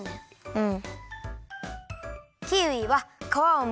うん。